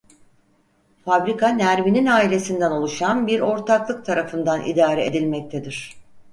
Fabrika Nermin'in ailesinden oluşan bir ortaklık tarafından idare edilmektedir.